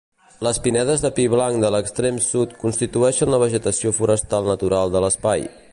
Les pinedes de pi blanc de l’extrem sud constitueixen la vegetació forestal natural de l’espai.